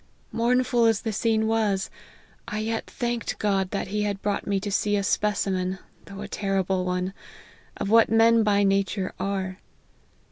Mournful as the scene was, I yet thanked God that he had brought me to see a specimen, though a terrible one, of what men by nature are.